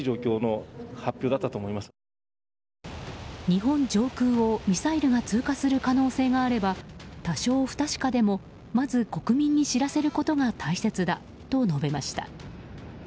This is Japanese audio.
日本上空をミサイルが通過する可能性があれば多少不確かでもまず国民に知らせることが大切だと述べました。